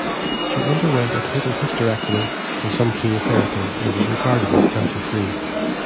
She underwent a total hysterectomy and some chemotherapy, and is regarded as cancer-free.